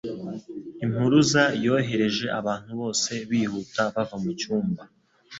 Impuruza yohereje abantu bose bihuta bava mucyumba.